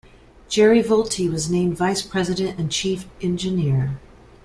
Jerry Vultee was named vice president and chief engineer.